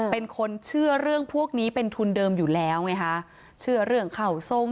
เป็นคนเชื่อเรื่องพวกนี้เป็นทุนเดิมอยู่แล้วไงคะเชื่อเรื่องเข่าส้ม